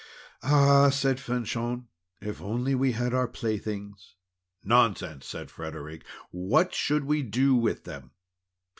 "Ah!" said Fanchon, "if we only had our playthings!" "Nonsense!" said Frederic, "what should we do with them?